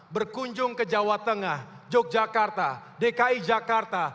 berkunjung ke jawa tengah yogyakarta dki jakarta